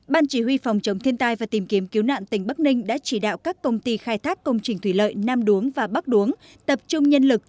ban chỉ huy phòng chống thiên tai và tìm kiếm cứu nạn tỉnh bắc ninh đã chỉ đạo các công ty khai thác công trình thủy lợi nam đuống và bắc đuống tập trung nhân lực